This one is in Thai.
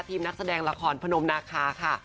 นักแสดงละครพนมนาคาค่ะ